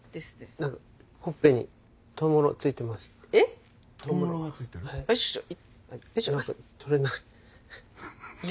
何か取れない。